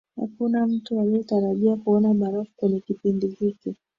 hakuna mtu aliyetarajia kuona barafu kwenye kipindi hiki